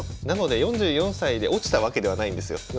なので４４歳で落ちたわけではないんですよ。